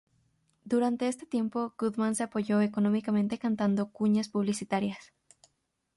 Durante este tiempo Goodman se apoyó económicamente cantando cuñas publicitarias.